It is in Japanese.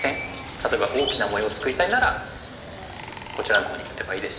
例えば大きな模様を作りたいならこちらのほうに打てばいいですし。